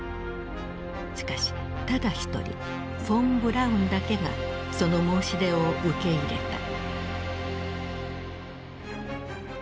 しかしただ一人フォン・ブラウンだけがその申し出を受け入れた。